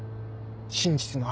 真実の愛。